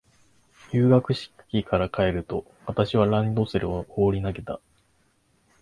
入学式から帰ると、私はランドセルを放り投げた。